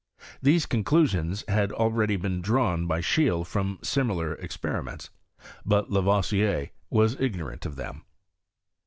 These conclusions had already been drawn by Scheele from similar experiments, but La voisier was ignorant of them.